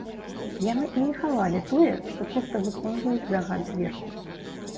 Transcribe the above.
Яны і не хавалі тое, што проста выконваюць загад зверху.